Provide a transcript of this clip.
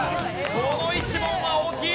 この１問は大きい。